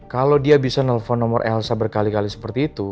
kalau dia bisa nelfon nomor elsa berkali kali seperti itu